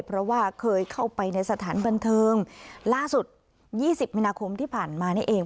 เพราะว่าเคยเข้าไปในสถานบันเทิงล่าสุด๒๐มีนาคมที่ผ่านมานี่เอง